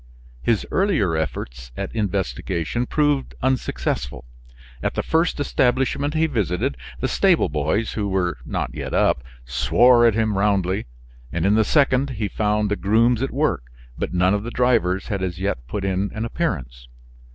His earlier efforts at investigation proved unsuccessful. At the first establishment he visited, the stable boys, who were not yet up, swore at him roundly. In the second, he found the grooms at work, but none of the drivers had as yet put in an appearance.